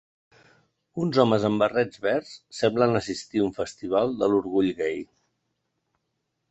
Uns homes amb barrets verds semblen assistir un festival de l'orgull gai.